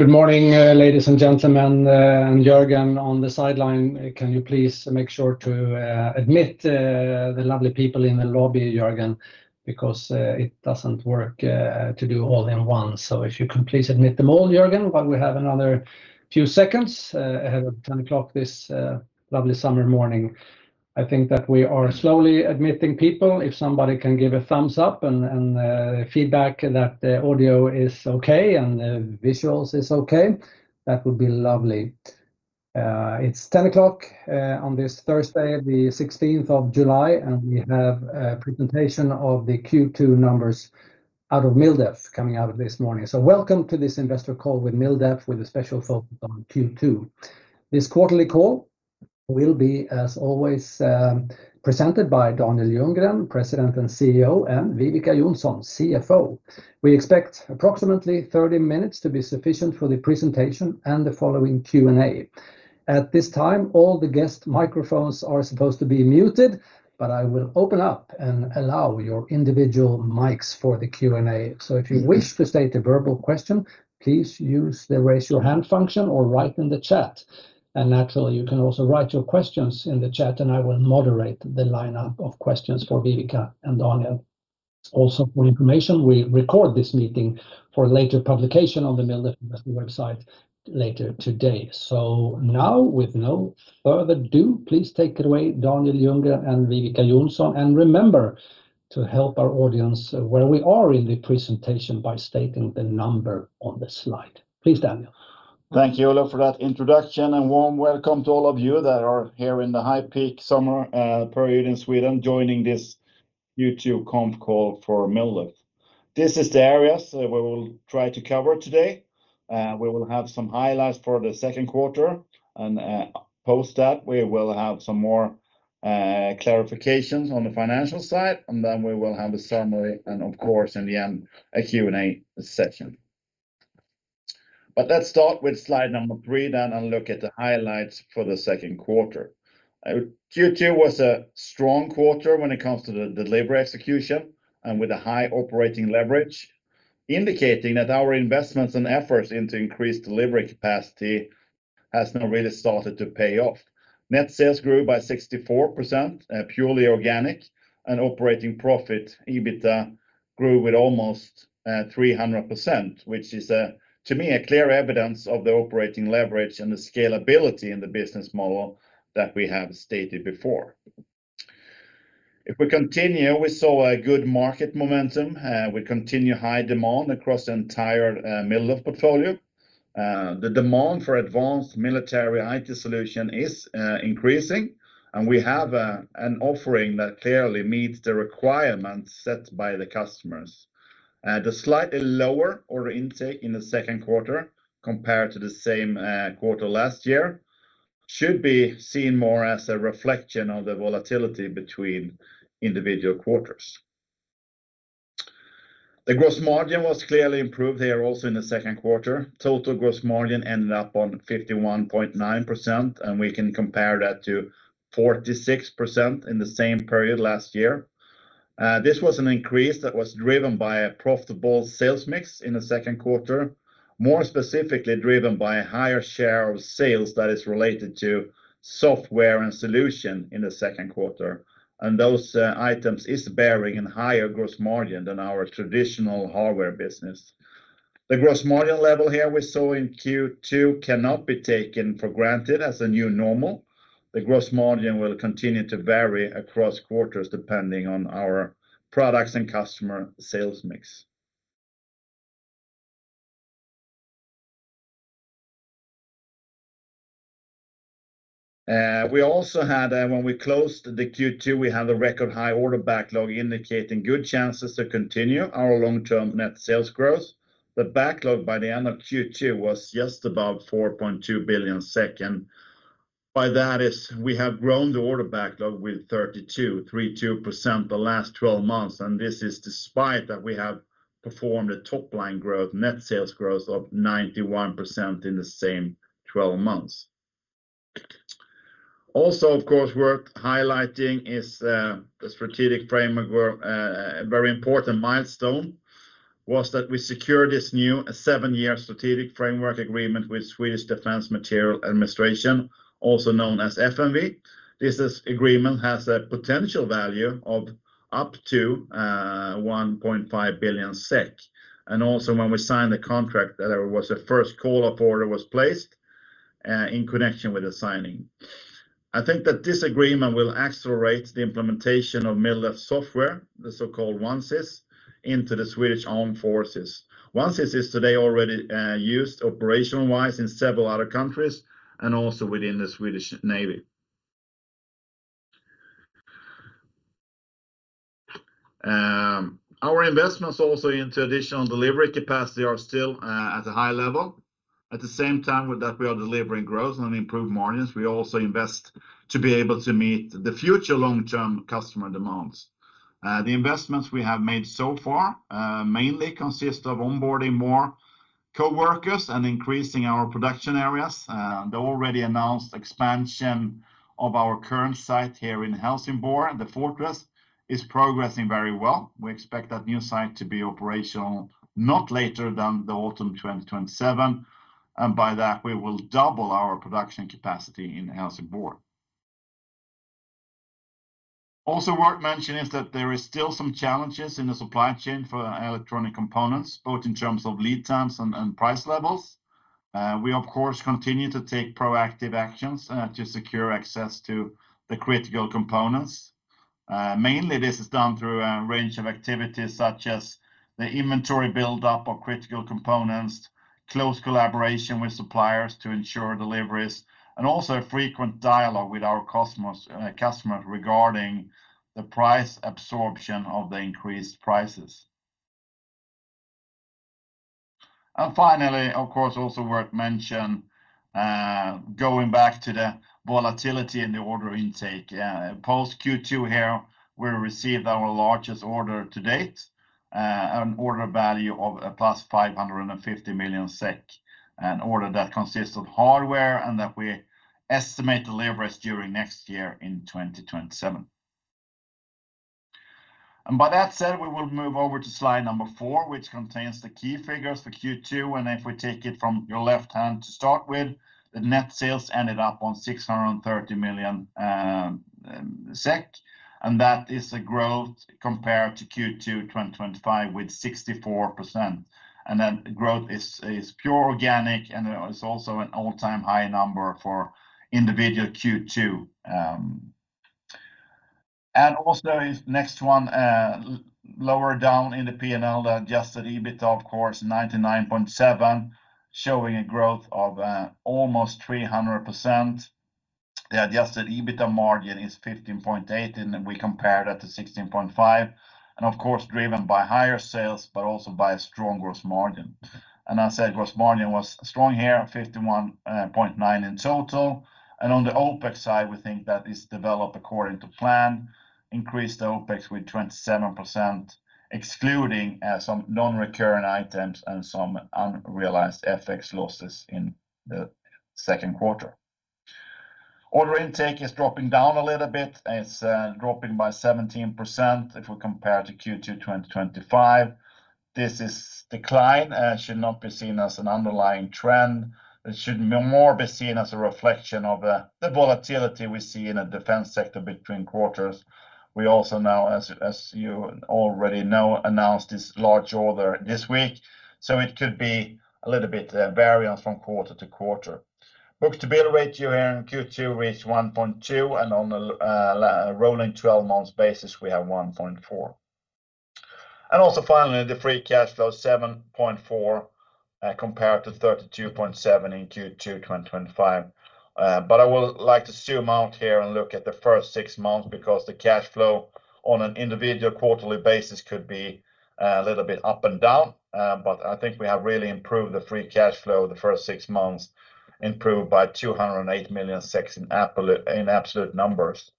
Good morning, ladies and gentlemen, and Jörgen on the sideline. Can you please make sure to admit the lovely people in the lobby, Jörgen? It doesn't work to do all in one. If you can, please admit them all, Jörgen, while we have another few seconds ahead of 10:00 this lovely summer morning. I think that we are slowly admitting people. If somebody can give a thumbs up and feedback that the audio is okay and the visuals is okay, that would be lovely. It's 10:00 on this Thursday, the 16th of July, and we have a presentation of the Q2 numbers out of MilDef coming out this morning. Welcome to this investor call with MilDef, with a special focus on Q2. This quarterly call will be, as always, presented by Daniel Ljunggren, President and CEO, and Viveca Johnsson, CFO. We expect approximately 30 minutes to be sufficient for the presentation and the following Q&A. At this time, all the guest microphones are supposed to be muted, but I will open up and allow your individual mics for the Q&A. If you wish to state a verbal question, please use the raise your hand function or write in the chat. Naturally, you can also write your questions in the chat, and I will moderate the lineup of questions for Viveca and Daniel. For information, we record this meeting for later publication on the MilDef website later today. Now, with no further ado, please take it away, Daniel Ljunggren and Viveca Johnsson. Remember to help our audience where we are in the presentation by stating the number on the slide. Please, Daniel. Thank you, Olof, for that introduction, and warm welcome to all of you that are here in the high-peak summer period in Sweden, joining this Q2 conf call for MilDef. These are the areas that we will try to cover today. We will have some highlights for the second quarter, post that, we will have some more clarifications on the financial side, then we will have a summary, and of course, in the end, a Q&A session. Let's start with slide number three, then, and look at the highlights for the second quarter. Q2 was a strong quarter when it comes to the delivery execution, and with a high operating leverage, indicating that our investments and efforts into increased delivery capacity has now really started to pay off. Net sales grew by 64%, purely organic, and operating profit, EBITDA, grew with almost 300%, which is to me a clear evidence of the operating leverage and the scalability in the business model that we have stated before. If we continue, we saw a good market momentum. We continue high demand across the entire MilDef portfolio. The demand for advanced military IT solutions is increasing, and we have an offering that clearly meets the requirements set by the customers. The slightly lower order intake in the second quarter compared to the same quarter last year should be seen more as a reflection of the volatility between individual quarters. The gross margin was clearly improved here, also in the second quarter. Total gross margin ended up on 51.9%, and we can compare that to 46% in the same period last year. This was an increase that was driven by a profitable sales mix in the second quarter, more specifically driven by a higher share of sales that is related to software and solutions in the second quarter. Those items is bearing in higher gross margin than our traditional hardware business. The gross margin level here we saw in Q2 cannot be taken for granted as a new normal. The gross margin will continue to vary across quarters depending on our products and customer sales mix. We also had, when we closed the Q2, we had a record-high order backlog, indicating good chances to continue our long-term net sales growth. The backlog by the end of Q2 was just about 4.2 billion. By that is we have grown the order backlog with 32% the last 12 months, this is despite that we have performed a top-line growth, net sales growth of 91% in the same 12 months. Also, of course, worth highlighting is the strategic framework; a very important milestone was that we secured this new seven-year strategic framework agreement with Swedish Defence Materiel Administration, also known as FMV. This agreement has a potential value of up to 1.5 billion SEK. Also, when we signed the contract, there was a first call-up order was placed in connection with the signing. I think that this agreement will accelerate the implementation of MilDef software, the so-called OneCIS, into the Swedish Armed Forces. OneCIS is today already used operational-wise in several other countries and also within the Swedish Navy. Our investments also into additional delivery capacity are still at a high level. At the same time with that, we are delivering growth and improved margins. We also invest to be able to meet the future long-term customer demands. The investments we have made so far mainly consist of onboarding more coworkers and increasing our production areas. The already announced expansion of our current site here in Helsingborg, the Fortress, is progressing very well. We expect that new site to be operational not later than the autumn 2027. By that, we will double our production capacity in Helsingborg. Worth mentioning is that there are still some challenges in the supply chain for electronic components, both in terms of lead times and price levels. We, of course, continue to take proactive actions to secure access to the critical components. Mainly, this is done through a range of activities such as the inventory buildup of critical components, close collaboration with suppliers to ensure deliveries, and frequent dialogue with our customers regarding the price absorption of the increased prices. Finally, of course, worth mentioning, going back to the volatility in the order intake. Post Q2 here, we received our largest order to date, an order value of +550 million SEK, an order that consists of hardware and that we estimate deliveries during next year in 2027. By that said, we will move over to slide number four, which contains the key figures for Q2. If we take it from your left hand to start with, the net sales ended up on 630 million SEK, and that is a growth compared to Q2 2025 with 64%. That growth is pure organic and is also an all-time high number for individual Q2. Next one, lower down in the P&L, the adjusted EBITDA, of course, 99.7, showing a growth of almost 300%. The adjusted EBITDA margin is 15.8%, and we compare that to 16.5%. Of course, driven by higher sales, but also by a strong gross margin. I said gross margin was strong here, 51.9% in total. On the OpEx side, we think that is developed according to plan, increased OpEx with 27%, excluding some non-recurring items and some unrealized FX losses in the second quarter. Order intake is dropping down a little bit. It is dropping by 17% if we compare to Q2 2025. This decline should not be seen as an underlying trend. It should more be seen as a reflection of the volatility we see in the defense sector between quarters. We also now, as you already know, announced this large order this week, so it could be a little bit of variance from quarter to quarter. Book-to-bill ratio here in Q2 reached 1.2x, and on a rolling 12-month basis, we have 1.4x. Finally, the free cash flow 7.4, compared to 32.7 in Q2 2025. I would like to zoom out here and look at the first six months because the cash flow on an individual quarterly basis could be a little bit up and down. I think we have really improved the free cash flow the first six months, improved by 208 million in absolute numbers.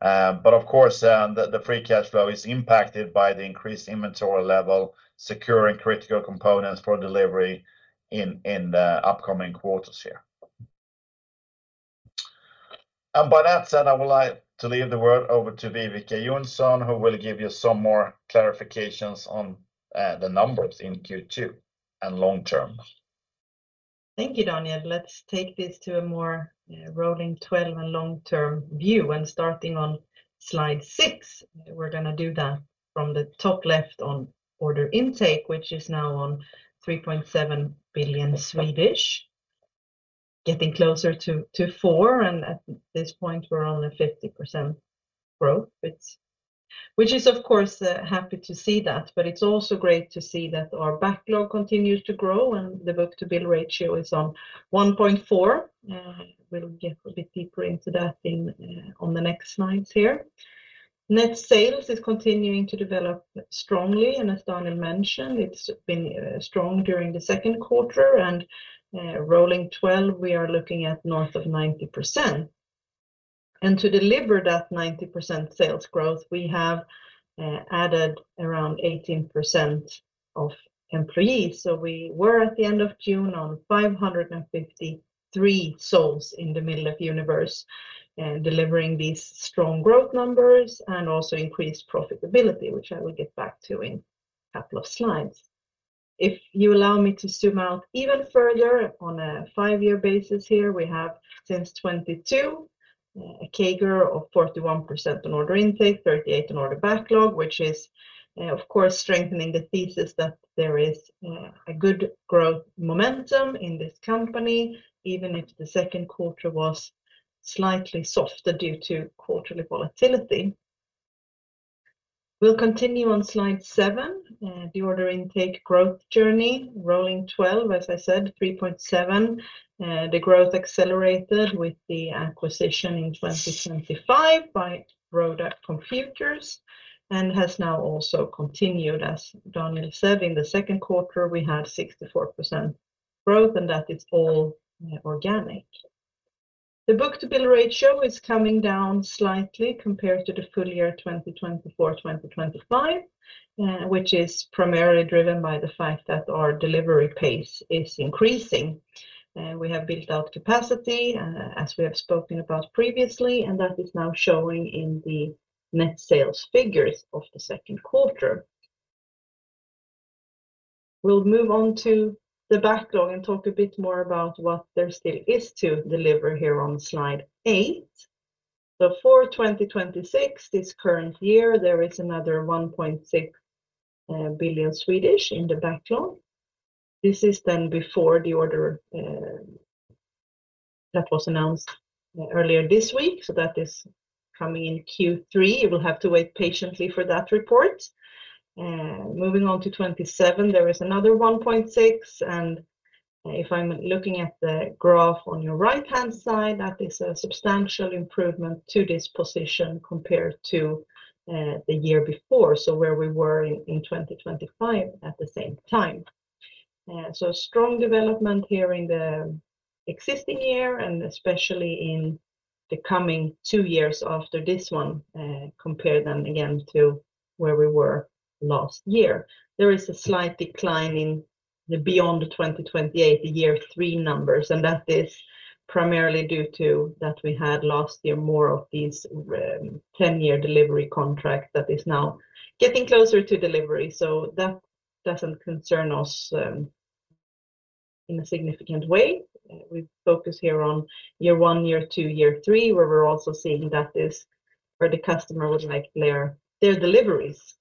Of course, the free cash flow is impacted by the increased inventory level, securing critical components for delivery in the upcoming quarters here. By that said, I would like to leave the word over to Viveca Johnsson, who will give you some more clarifications on the numbers in Q2 and the long term. Thank you, Daniel. Let's take this to a more rolling 12-month and a long-term view. Starting on slide six, we are going to do that from the top left on order intake, which is now on 3.7 billion, getting closer to 4 billion, and at this point, we are on a 50% growth. Which is, of course, happy to see that, but it is also great to see that our backlog continues to grow, and the book-to-bill ratio is on 1.4x. We will get a bit deeper into that on the next slides here. Net sales is continuing to develop strongly, and as Daniel mentioned, it has been strong during the second quarter and rolling 12-month, we are looking at north of 90%. To deliver that 90% sales growth, we have added around 18% of employees. We were at the end of June on 553 souls in the MilDef universe and delivering these strong growth numbers, and also increased profitability, which I will get back to in a couple of slides. If you allow me to zoom out even further on a five-year basis here, we have, since 2022, a CAGR of 41% on order intake, 38% on order backlog, which is, of course, strengthening the thesis that there is a good growth momentum in this company, even if the second quarter was slightly softer due to quarterly volatility. We will continue on slide seven, the order intake growth journey, rolling 12-month, as I said, 3.7 billion. The growth accelerated with the acquisition in 2025 by Roda Computers and has now also continued. As Daniel said, in the second quarter, we had 64% growth, and that is all organic. The book-to-bill ratio is coming down slightly compared to the full year 2024-2025, which is primarily driven by the fact that our delivery pace is increasing. We have built out capacity, as we have spoken about previously, and that is now showing in the net sales figures of the second quarter. We will move on to the backlog and talk a bit more about what there still is to deliver here on slide eight. For 2026, this current year, there is another 1.6 billion in the backlog. This is before the order that was announced earlier this week, so that is coming in Q3. We will have to wait patiently for that report. Moving on to 2027, there is another 1.6 billion, and if I am looking at the graph on your right-hand side, that is a substantial improvement to this position compared to the year before, where we were in 2025 at the same time. Strong development here in the existing year and especially in the coming two years after this one, compare them again to where we were last year. There is a slight decline in the beyond 2028, the year three numbers, and that is primarily due to that we had last year more of these 10-year delivery contracts that is now getting closer to delivery. That does not concern us in a significant way. We focus here on year one, year two, year three, where we are also seeing that is where the customer would like their deliveries. We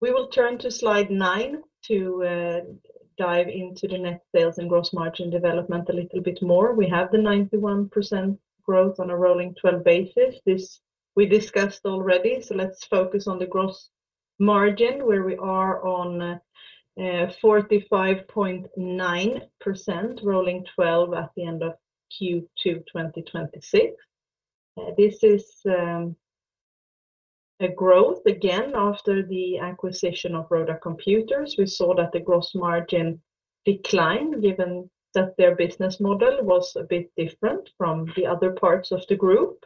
will turn to slide nine to dive into the net sales and gross margin development a little bit more. We have the 91% growth on a rolling 12-month basis. This we discussed already; let us focus on the gross margin, where we are on 45.9% rolling 12-month at the end of Q2 2026. This is a growth again after the acquisition of Roda Computers. We saw that the gross margin declined, given that their business model was a bit different from the other parts of the group.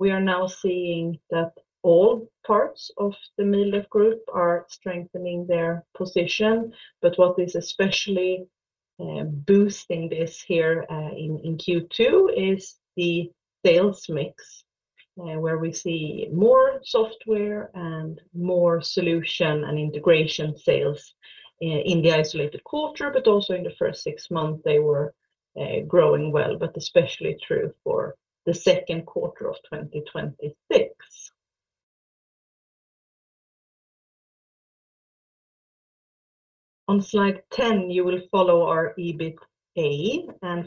We are now seeing that all parts of the MilDef Group are strengthening their position. What is especially boosting this here in Q2 is the sales mix, where we see more software and more solution and integration sales in the isolated quarter. Also, in the first six months, they were growing well, especially true for the second quarter of 2026. On slide 10, you will follow our EBITA.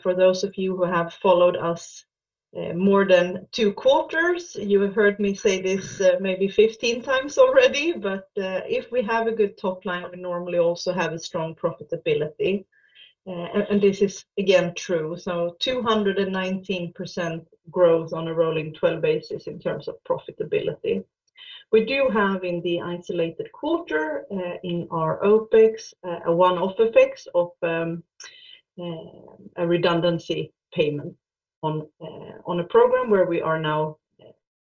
For those of you who have followed us for more than two quarters, you have heard me say this maybe 15 times already, if we have a good top line, we normally also have a strong profitability. This is again true. 219% growth on a rolling 12-month basis in terms of profitability. We do have in the isolated quarter in our OpEx a one-off effect of a redundancy payment on a program where we are now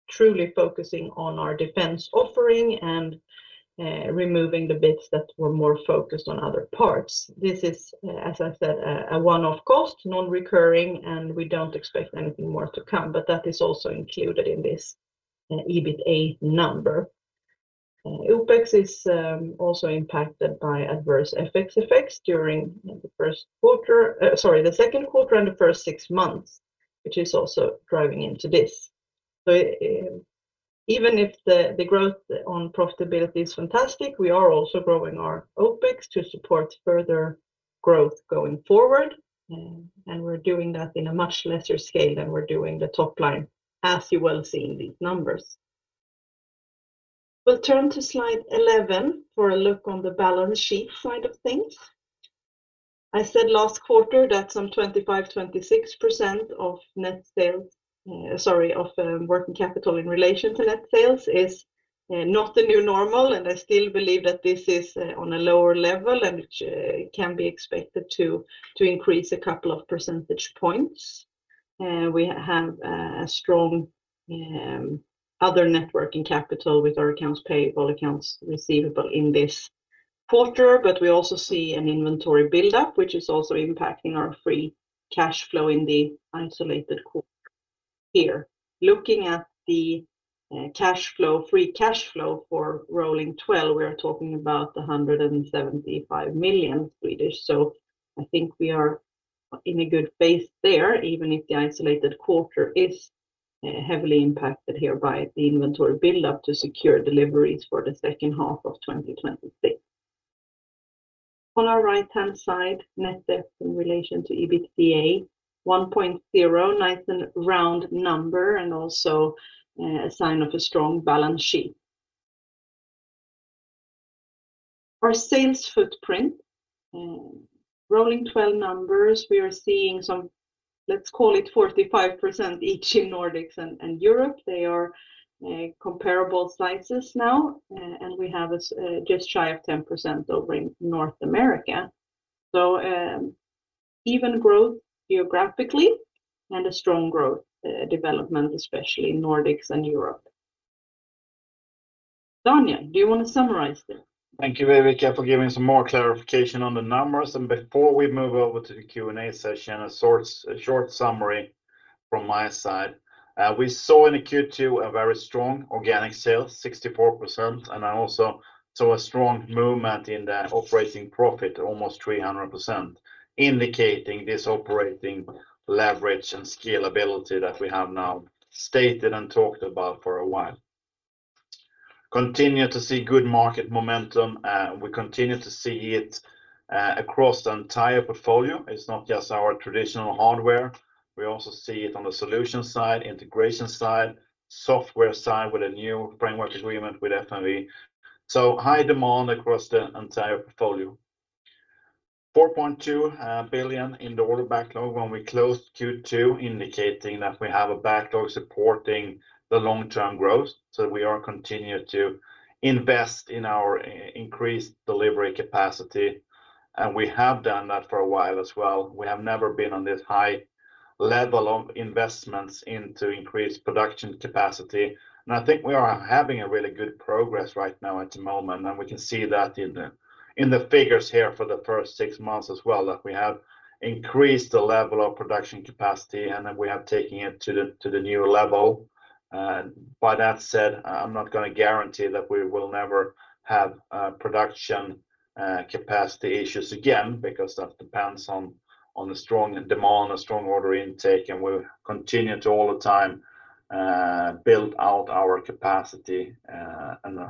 truly focusing on our defense offering and removing the bits that were more focused on other parts. This is, as I said, a one-off cost, non-recurring, and we don't expect anything more to come, that is also included in this EBITA number. OpEx is also impacted by adverse FX effects during the second quarter and the first six months, which is also driving into this. Even if the growth on profitability is fantastic, we are also growing our OpEx to support further growth going forward. We're doing that in a much lesser scale than we're doing the top line, as you will see in these numbers. We'll turn to slide 11 for a look on the balance sheet side of things. I said last quarter that some 25%-26% of working capital in relation to net sales is not the new normal, I still believe that this is on a lower level, and which can be expected to increase a couple of percentage points. We have a strong other networking capital with our accounts payable, accounts receivable in this quarter. We also see an inventory buildup, which is also impacting our free cash flow in the isolated quarter here. Looking at the free cash flow for rolling 12-month, we are talking about 175 million. I think we are in a good base there, even if the isolated quarter is heavily impacted here by the inventory buildup to secure deliveries for the second half of 2026. On our right-hand side, net debt in relation to EBITDA, 1.0, a nice and round number, and also a sign of a strong balance sheet. Our sales footprint, rolling 12-month numbers, we are seeing some, let's call it 45% each in Nordics and Europe. They are comparable sizes now; we have just shy of 10% over in North America. Even growth geographically, a strong growth development, especially in Nordics and Europe. Daniel, do you want to summarize this? Thank you, Viveca, for giving some more clarification on the numbers. Before we move over to the Q&A session, a short summary from my side. We saw in Q2 a very strong organic sales, 64%, and I also saw a strong movement in the operating profit, almost 300%, indicating this operating leverage and scalability that we have now stated and talked about for a while. Continue to see good market momentum. We continue to see it across the entire portfolio. It's not just our traditional hardware. We also see it on the solution side, integration side, software side with a new framework agreement with FMV. High demand across the entire portfolio. 4.2 billion in the order backlog when we closed Q2, indicating that we have a backlog supporting the long-term growth. We are continuing to invest in our increased delivery capacity, and we have done that for a while as well. We have never been on this high level of investments into increased production capacity, and I think we are having a really good progress right now at the moment. We can see that in the figures here for the first six months as well, that we have increased the level of production capacity, and that we have taken it to the new level. With that said, I'm not going to guarantee that we will never have production capacity issues again because that depends on the strong demand, the strong order intake, and we continue to all the time build out of our capacity.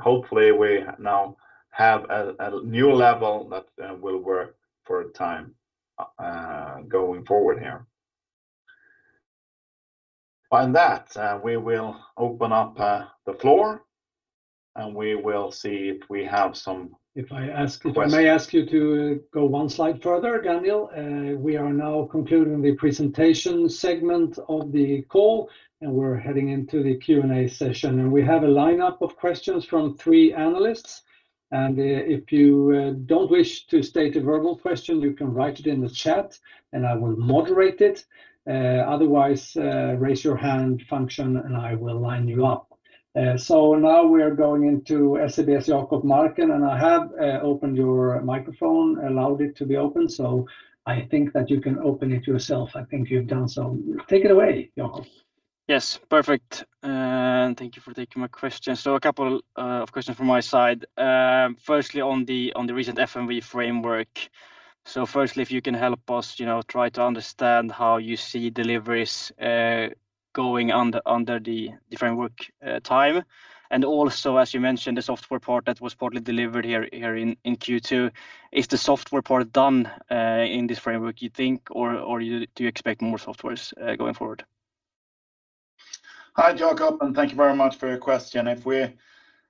Hopefully, we now have a new level that will work for a time going forward here. On that, we will open up the floor. We will see. If I may ask you to go one slide further, Daniel. We are now concluding the presentation segment of the call; we're heading into the Q&A session. We have a lineup of questions from three analysts. If you don't wish to state a verbal question, you can write it in the chat, and I will moderate it. Otherwise, raise your hand function and I will line you up. Now we are going into SEB's Jakob Marken. I have opened your microphone, allowed it to be open, so I think that you can open it yourself. I think you've done so. Take it away, Jakob. Yes, perfect. Thank you for taking my question. A couple of questions from my side. Firstly, on the recent FMV framework. Firstly, if you can help us try to understand how you see deliveries going under the framework time, and also, as you mentioned, the software part that was partly delivered here in Q2. Is the software part done in this framework, you think, or do you expect more software going forward? Hi, Jakob, thank you very much for your question. If we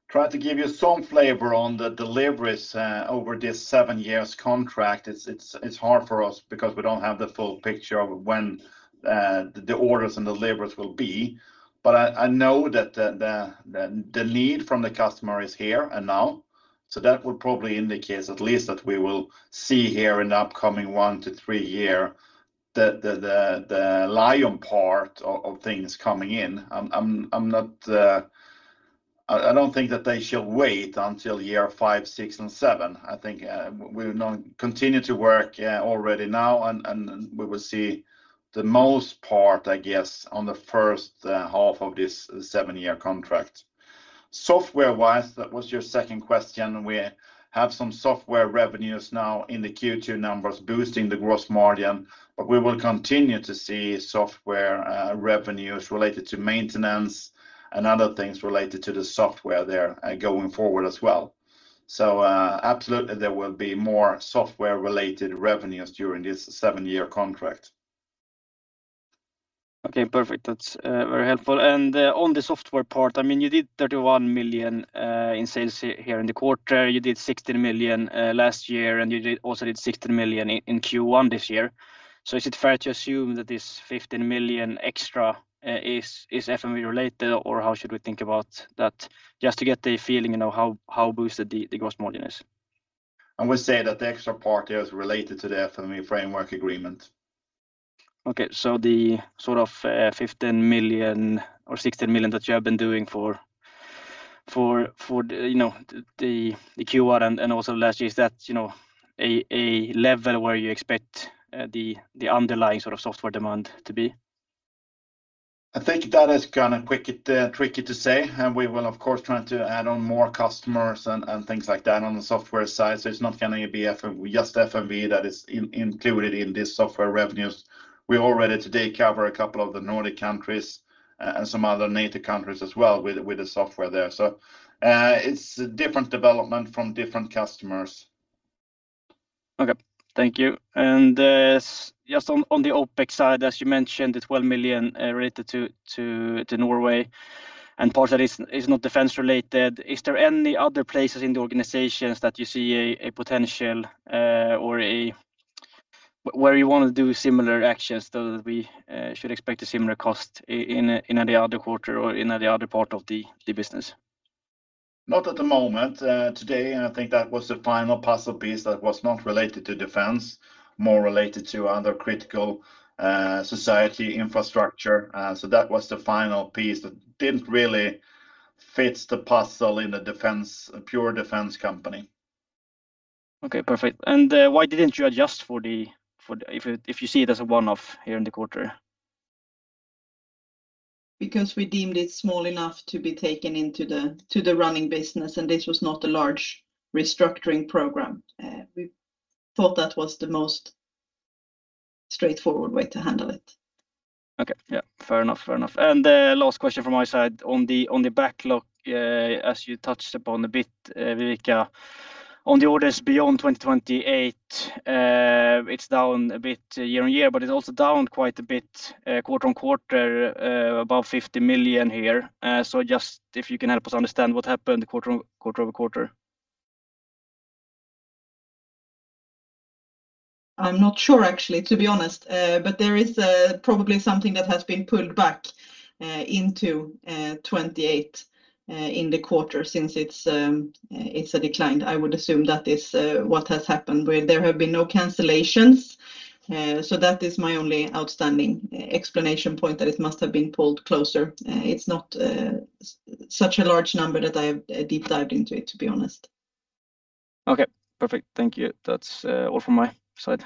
try to give you some flavor on the deliveries over this seven-year contract, it's hard for us because we don't have the full picture of when the orders and deliveries will be. I know that the need from the customer is here and now. That would probably indicate at least that we will see here in the upcoming one to three years the lion's part of things coming in. I don't think that they should wait until years five, six, and seven. I think we'll now continue to work already now and we will see the most part, I guess, on the first half of this seven-year contract. Software-wise, that was your second question. We have some software revenues now in the Q2 numbers, boosting the gross margin. We will continue to see software revenues related to maintenance and other things related to the software there going forward as well. Absolutely, there will be more software-related revenues during this seven-year contract. Okay, perfect. That is very helpful. On the software part, you did 31 million in sales here in the quarter. You did 16 million last year, and you also did 16 million in Q1 this year. Is it fair to assume that this 15 million extra is FMV-related, or how should we think about that? Just to get the feeling, how boosted is the gross margin? I would say that the extra part here is related to the FMV framework agreement. Okay. The sort of 15 million or 16 million that you have been doing for the Q1 and also last year, is that a level where you expect the underlying sort of software demand to be? I think that is kind of tricky to say. We will, of course, try to add on more customers and things like that on the software side. It is not going to be just FMV that is included in this software revenues. We already today cover a couple of the Nordic countries and some other NATO countries as well with the software there. It is a different development from different customers. Okay. Thank you. Just on the OpEx side, as you mentioned, the 12 million related to Norway and part that is not defense related, is there any other places in the organizations that you see a potential or where you want to do similar actions so that we should expect a similar cost in any other quarter or in any other part of the business? Not at the moment. Today, I think that was the final puzzle piece that was not related to defense, more related to other critical society infrastructure. That was the final piece that didn't really fit the puzzle in the pure defense company. Okay, perfect. Why didn't you adjust for it if you see it as a one-off here in the quarter? We deemed it small enough to be taken into the running business, and this was not a large restructuring program. We thought that was the most straightforward way to handle it. Okay. Yeah, fair enough. The last question from my side on the backlog, as you touched upon a bit, Viveca, on the orders beyond 2028, it's down a bit year-on-year, but it's also down quite a bit quarter-on-quarter, above 50 million here. Just if you can help us understand what happened quarter-over-quarter. I'm not sure, actually, to be honest. There is probably something that has been pulled back into 2028 in the quarter since it's a decline. I would assume that is what has happened where there have been no cancellations. That is my only outstanding explanation point, that it must have been pulled closer. It's not such a large number that I have deep-dived into it, to be honest. Okay, perfect. Thank you. That's all from my side.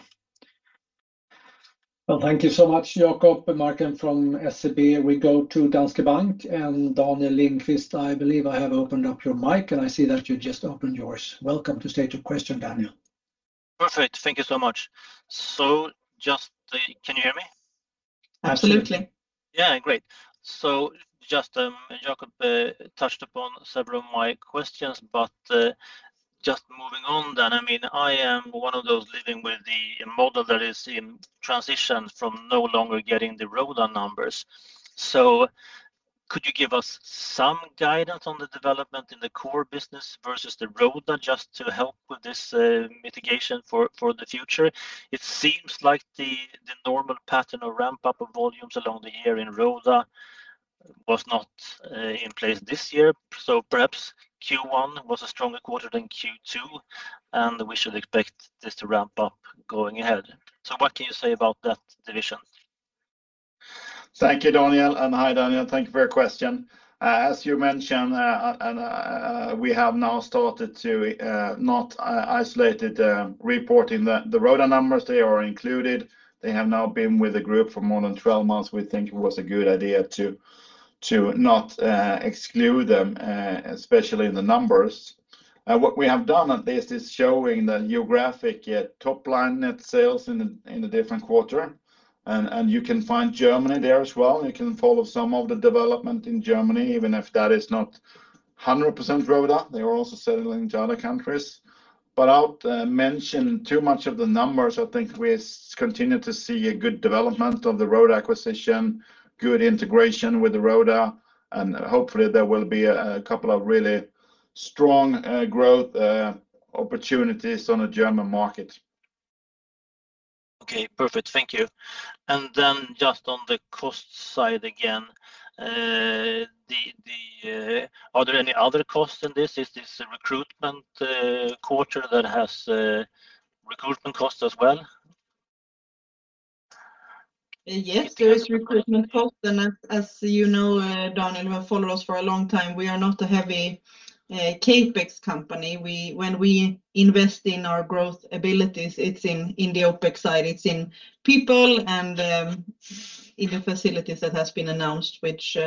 Thank you so much, Jakob Marken, from SEB. We go to Danske Bank and Daniel Lindkvist. I believe I have opened up your mic, and I see that you just opened yours. Welcome to state your question, Daniel. Perfect. Thank you so much. Can you hear me? Absolutely. Yeah, great. Jakob touched upon several of my questions, but moving on. I am one of those living with the model that is in transition from no longer getting the Roda numbers. Could you give us some guidance on the development in the core business versus the Roda, just to help with this mitigation for the future? It seems like the normal pattern of ramp-up of volumes along the year in Roda was not in place this year. Perhaps Q1 was a stronger quarter than Q2, and we should expect this to ramp up going ahead. What can you say about that division? Thank you, Daniel. Hi, Daniel. Thank you for your question. As you mentioned, we have now started to not isolated reporting the Roda numbers. They are included. They have now been with the group for more than 12 months. We think it was a good idea to not exclude them, especially in the numbers. What we have done at least is showing the geographic top line net sales in the different quarters. You can find Germany there as well. You can follow some of the development in Germany, even if that is not 100% Roda. They are also selling to other countries. I won't mention too much of the numbers. I think we continue to see a good development of the Roda acquisition, good integration with the Roda, and hopefully there will be a couple of really strong growth opportunities on the German market. Okay, perfect. Thank you. On the cost side again, are there any other costs in this? Is this a recruitment quarter that has recruitment costs as well? Yes, there is recruitment cost, as you know, Daniel, who have followed us for a long time, we are not a heavy CapEx company. When we invest in our growth abilities, it's in the OpEx side, it's in people and in the facilities that have been announced, which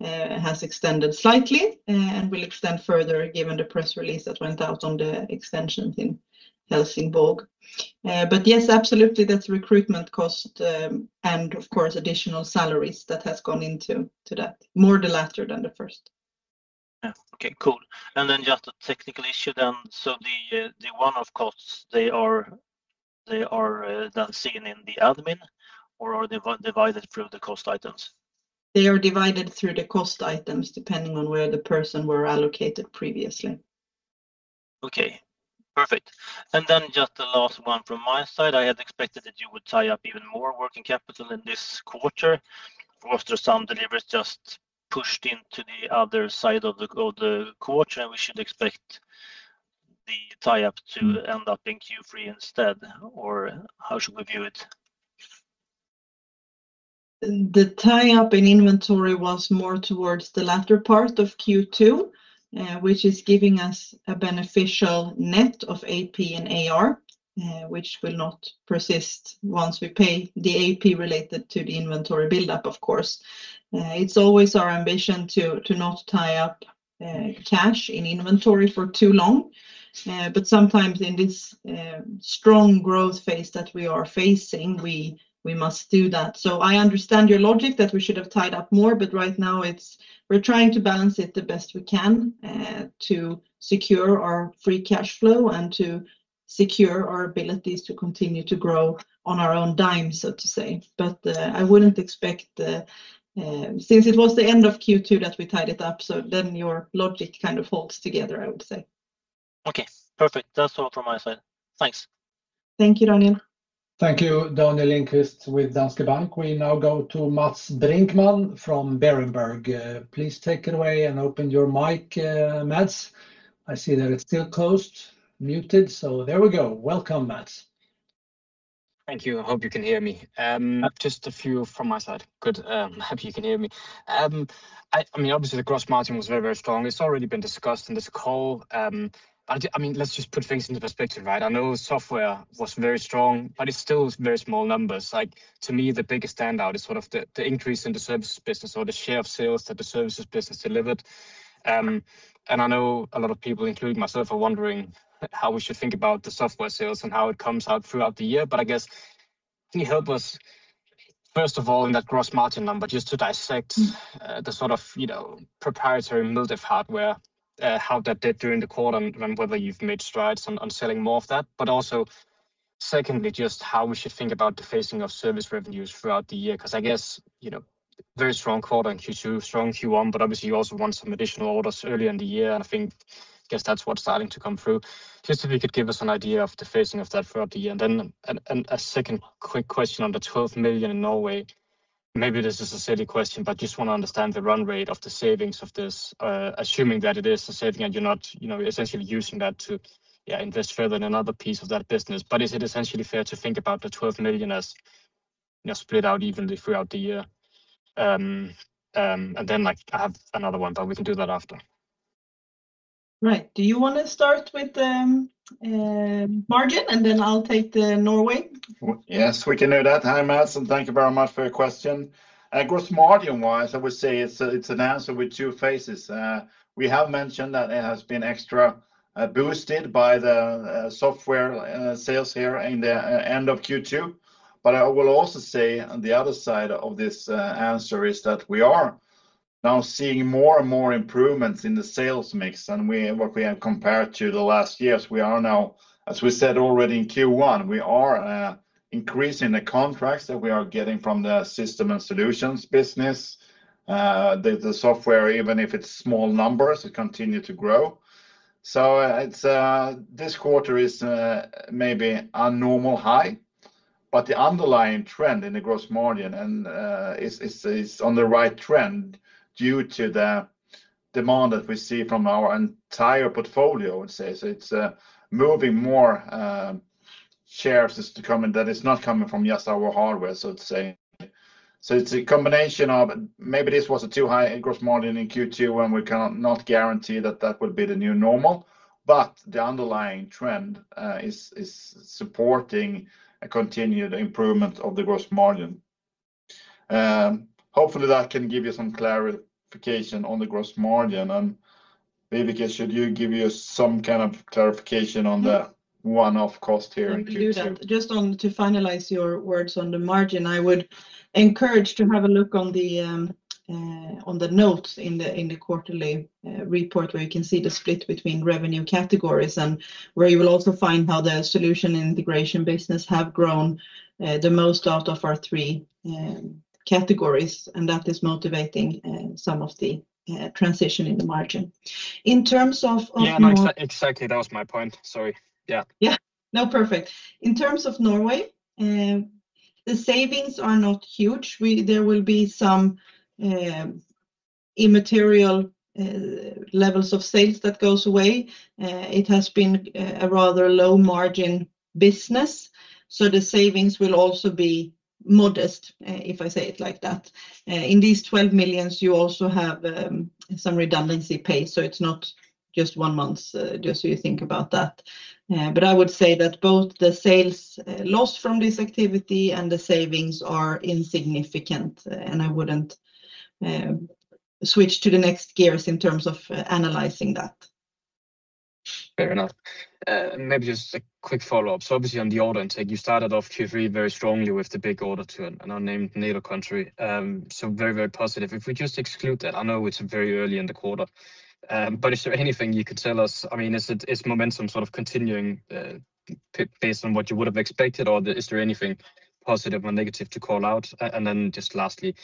has extended slightly and will extend further given the press release that went out on the extensions in Helsingborg. Yes, absolutely, that's recruitment cost, and of course, additional salaries that has gone into that. More the latter than the first. Yeah. Okay, cool. Just a technical issue then. The one-off costs, they are then seen in the admin, or are they divided through the cost items? They are divided through the cost items, depending on where the person were allocated previously. Okay, perfect. Just the last one from my side, I had expected that you would tie up even more working capital in this quarter. Were there some deliveries just pushed into the other side of the quarter, and we should expect the tie-up to end up in Q3 instead? How should we view it? The tie-up in inventory was more towards the latter part of Q2, which is giving us a beneficial net of AP and AR, which will not persist once we pay the AP related to the inventory buildup, of course. It is always our ambition not to tie up cash in inventory for too long. Sometimes in this strong growth phase that we are facing, we must do that. I understand your logic that we should have tied up more, but right now, we are trying to balance it the best we can to secure our free cash flow and to secure our abilities to continue to grow on our own dime, so to say. I would not expect, since it was the end of Q2 that we tied it up, then your logic kind of holds together, I would say. Okay, perfect. That is all from my side. Thanks. Thank you, Daniel. Thank you, Daniel Lindkvist with Danske Bank. We now go to Mads Brinkmann from Berenberg. Please take it away and open your mic, Mads. I see that it is still closed, muted, there we go. Welcome, Mads Thank you. I hope you can hear me. Just a few from my side. Good. Hope you can hear me. Obviously, the gross margin was very strong. It's already been discussed in this call. Let's just put things into perspective. I know software was very strong, it's still very small numbers. To me, the biggest standout is the increase in the services business, or the share of sales that the services business delivered. I know a lot of people, including myself, are wondering how we should think about the software sales and how it comes out throughout the year. Can you help us, first of all, in that gross margin number, just to dissect the proprietary hardware, how that did during the quarter, and whether you've made strides on selling more of that? Also, secondly, just how we should think about the phasing of service revenues throughout the year, because very strong quarter in Q2, strong Q1, obviously, you also won some additional orders early in the year. I think, that's what's starting to come through. Just if you could give us an idea of the phasing of that throughout the year. Then a second quick question on the 12 million in Norway. Maybe this is a silly question, just want to understand the run rate of the savings of this, assuming that it is a saving and you're not essentially using that to invest further in another piece of that business. Is it essentially fair to think about the 12 million as split out evenly throughout the year? Then I have another one; we can do that after. Right. Do you want to start with margin, and then I'll take the Norway? Yes. We can do that. Hi, Mads, and thank you very much for your question. Gross margin-wise, I would say it's an answer with two phases. We have mentioned that it has been extra boosted by the software sales here in the end of Q2. I will also say on the other side of this answer is that we are now seeing more and more improvements in the sales mix than what we have compared to the last years. We are now, as we said already in Q1, we are increasing the contracts that we are getting from the system and solutions business. The software, even if it's small numbers, it continue to grow. This quarter is maybe a normal high, but the underlying trend in the gross margin is on the right trend due to the demand that we see from our entire portfolio, I would say. It's moving more shares to come in that is not coming from just our hardware. It's a combination of maybe this was a too high a gross margin in Q2, and we cannot guarantee that that would be the new normal. The underlying trend is supporting a continued improvement of the gross margin. Hopefully, that can give you some clarification on the gross margin, and maybe, Viveca, should you give you some kind of clarification on the one-off cost here in Q2. I can do that. Just to finalize your words on the margin, I would encourage to have a look on the notes in the quarterly report, where you can see the split between revenue categories and where you will also find how the solution integration business have grown the most out of our three categories, and that is motivating some of the transition in the margin. In terms of Yeah. Exactly. That was my point. Sorry. Yeah. Yeah. No, perfect. In terms of Norway, the savings are not huge. There will be some immaterial levels of sales that goes away. It has been a rather low-margin business, so the savings will also be modest, if I say it like that. In these 12 million, you also have some redundancy pay, so it's not just one month, just so you think about that. I would say that both the sales lost from this activity and the savings are insignificant, and I wouldn't switch to the next gears in terms of analyzing that. Fair enough. Maybe just a quick follow-up. Obviously, on the order intake, you started off Q3 very strongly with the big order to an unnamed NATO country. Very positive. If we just exclude that, I know it's very early in the quarter, but is there anything you could tell us? Is momentum continuing based on what you would have expected, or is there anything positive or negative to call out? Just lastly,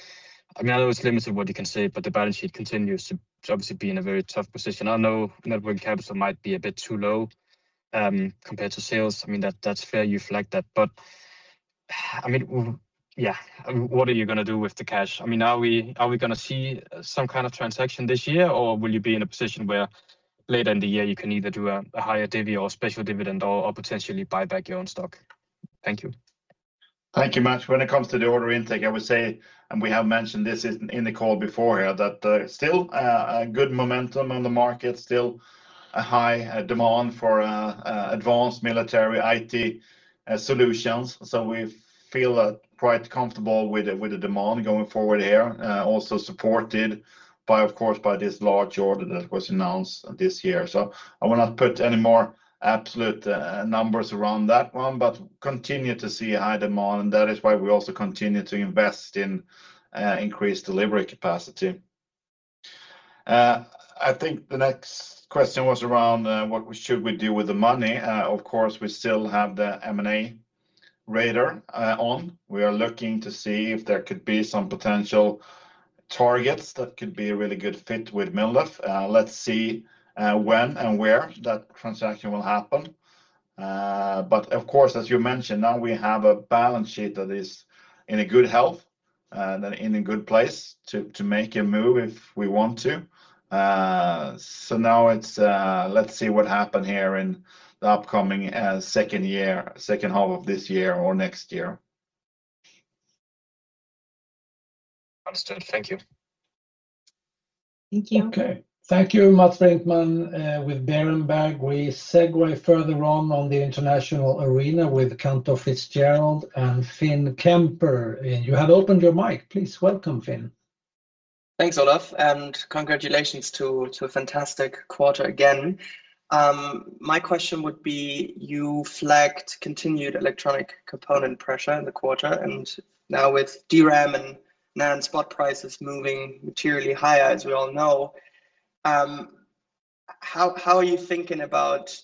I know it's limited what you can say, but the balance sheet continues to obviously be in a very tough position. I know net working capital might be a bit too low compared to sales. That's fair; you flagged that. What are you going to do with the cash? Are we going to see some kind of transaction this year, or will you be in a position where, later in the year, you can either do a higher divvy or a special dividend or potentially buy back your own stock? Thank you. Thank you, Mads. When it comes to the order intake, I would say, and we have mentioned this in the call before here, that still a good momentum on the market, still a high demand for advanced military IT solutions. We feel quite comfortable with the demand going forward here. Also supported, of course, by this large order that was announced this year. I will not put any more absolute numbers around that one, but continue to see high demand. That is why we also continue to invest in increased delivery capacity. I think the next question was around what we should do with the money. Of course, we still have the M&A radar on. We are looking to see if there could be some potential targets that could be a really good fit with MilDef. Let's see when and where that transaction will happen. Of course, as you mentioned, now we have a balance sheet that is in good health, in a good place to make a move if we want to. Now let's see what happens here in the upcoming second half of this year or next year. Understood. Thank you. Thank you. Okay. Thank you, Mads Brinkmann with Berenberg. We segue further on the international arena with Cantor Fitzgerald and Finn Kemper. You have opened your mic. Please welcome Finn. Thanks, Olof. Congratulations to a fantastic quarter again. My question would be: you flagged continued electronic component pressure in the quarter. Now, with DRAM and NAND spot prices moving materially higher, as we all know. How are you thinking about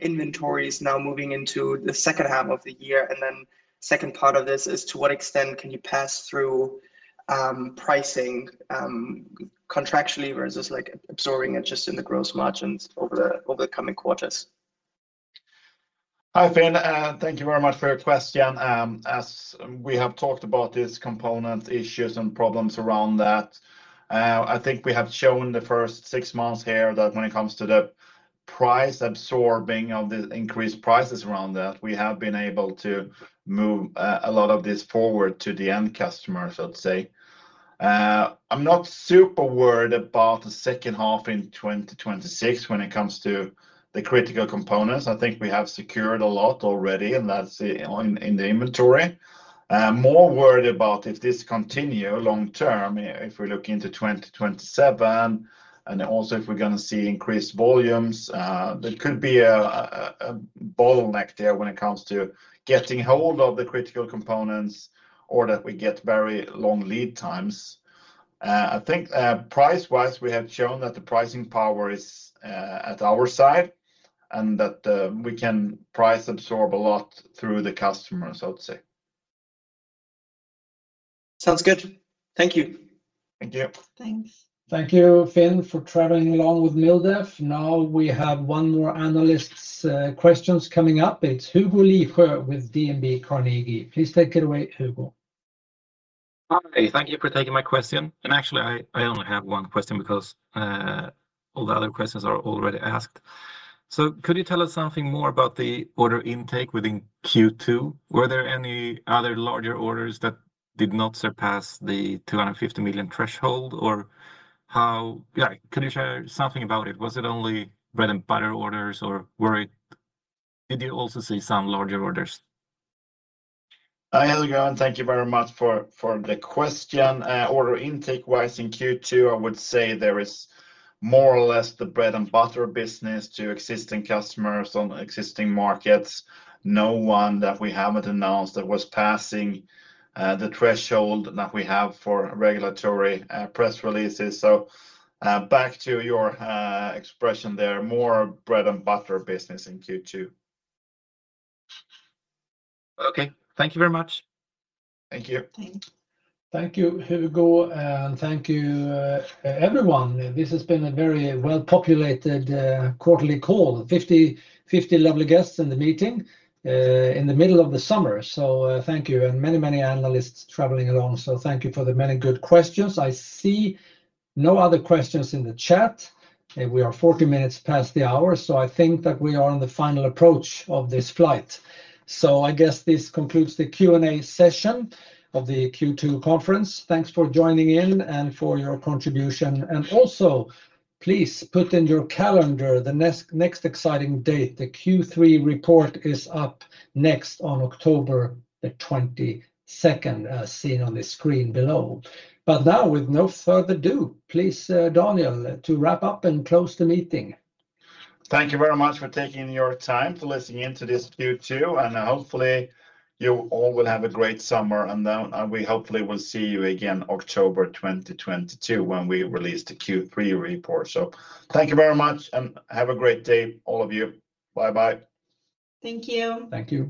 inventories now, moving into the second half of the year? Second part of this is, to what extent can you pass through pricing contractually versus absorbing it just in the gross margins over the coming quarters? Hi, Finn. Thank you very much for your question. As we have talked about these component issues and problems around that, I think we have shown in the first six months here that when it comes to the price absorbing of the increased prices around that, we have been able to move a lot of this forward to the end customer, so to say. I'm not super worried about the second half in 2026 when it comes to the critical components. I think we have secured a lot already, and that's in the inventory. I'm more worried about if this continues long term, if we look into 2027, and also if we're going to see increased volumes, there could be a bottleneck there when it comes to getting hold of the critical components, or that we get very long lead times. I think price-wise, we have shown that the pricing power is at our side and that we can price absorb a lot through the customers, I would say. Sounds good. Thank you. Thank you. Thanks. Thank you, Finn, for traveling along with MilDef. We have one more analyst's question coming up. It's Hugo Lisjö with DNB Carnegie. Please take it away, Hugo. Hi. Thank you for taking my question. Actually, I only have one question because all the other questions are already asked. Could you tell us something more about the order intake within Q2? Were there any other larger orders that did not surpass the 250 million threshold? Could you share something about it? Was it only bread-and-butter orders, or did you also see some larger orders? Hi, Hugo, thank you very much for the question. Order intake-wise in Q2, I would say there is more or less the bread-and-butter business to existing customers on existing markets. No one that we haven't announced that was passing the threshold that we have for regulatory press releases. Back to your expression there, more bread-and-butter business in Q2. Okay. Thank you very much. Thank you. Thanks. Thank you, Hugo, thank you, everyone. This has been a very well-populated quarterly call. 50 lovely guests in the meeting in the middle of the summer. Thank you. Many analysts traveling along, so thank you for the many good questions. I see no other questions in the chat. We are 40 minutes past the hour, so I think that we are on the final approach of this flight. I guess this concludes the Q&A session of the Q2 conference. Thanks for joining in and for your contribution. Also, please put in your calendar the next exciting date. The Q3 report is up next on October the 22nd, as seen on this screen below. Now, with no further ado, please, Daniel, to wrap up and close the meeting. Thank you very much for taking your time to listen to this Q2. Hopefully, you all will have a great summer. We will hopefully see you again in October 2026 when we release the Q3 report. Thank you very much and have a great day, all of you. Bye-bye. Thank you. Thank you.